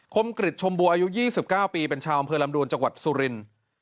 คมกริจชมบัวอายุ๒๙ปีเป็นชาวอำเภอลำดวนจังหวัดสุรินทร์